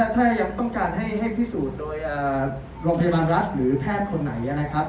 ถ้าอยากการให้พิสูจน์โรคริบาลรัฐหรือแพทย์ข้อไหน